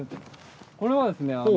これはですね